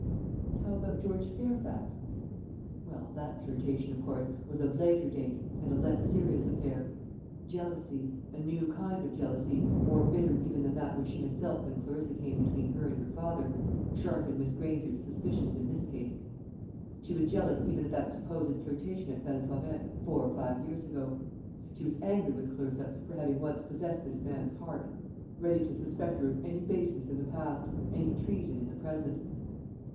And how about George Fairfax? Well, that flirtation, of course, was of later date and a less serious affair. Jealousy a new kind of jealousy, more bitter even than that which she had felt when Clarissa came between her and her father sharpened Miss Granger's suspicions in this case. She was jealous even of that supposed flirtation at Belforêt, four or five years ago. She was angry with Clarissa for having once possessed this man's heart; ready to suspect her of any baseness in the past, any treason in the present.